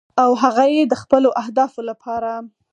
او هغه یې د خپلو اهدافو لپاره